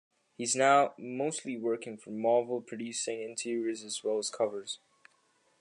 He's now mostly working for Marvel producing interiors as well as covers.